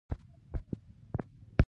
دښمن ته د کمزورتیا بوی ژر وررسي